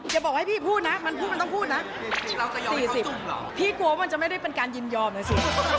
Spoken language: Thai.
อย่าบอกให้พี่พูดนะมันพูดมันต้องพูดนะ๔๐พี่กลัวว่ามันจะไม่ได้เป็นการยินยอมเลยสิ